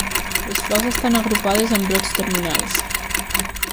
Les flors estan agrupades en brots terminals.